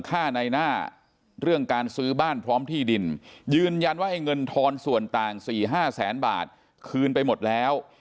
ค่าในหน้าเรื่องการซื้อบ้านพร้อมที่ดินยืนยันว่าไอ้เงินทอนส่วนต่าง๔๕แสนบาทคืนไปหมดแล้ว